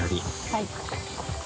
はい。